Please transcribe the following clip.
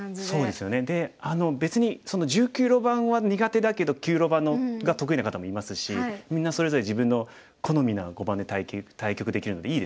で別に１９路盤は苦手だけど９路盤が得意な方もいますしみんなそれぞれ自分の好みの碁盤で対局できるのでいいですよね。